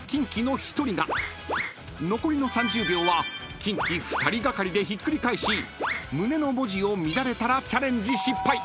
［残りの３０秒はキンキ２人がかりでひっくり返し胸の文字を見られたらチャレンジ失敗］